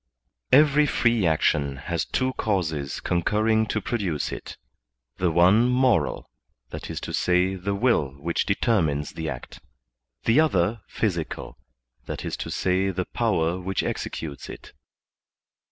Every free action has two causes concurring to produce it; the one moral, viz, the will which determines the act; the other physical, viz, the power which executes it.